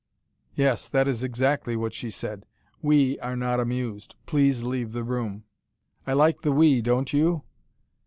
Yes, that is exactly what she said: 'WE are not amused please leave the room.' I like the WE, don't you?